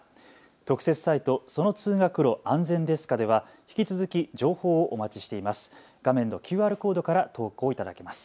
特設サイト、その通学路、安全ですかでは引き続き情報をお待ちしています。